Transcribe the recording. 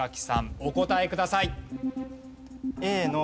お答えください。